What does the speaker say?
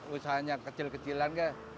usahanya kecil kecilan ya